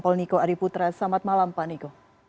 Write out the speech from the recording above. baik terima kasih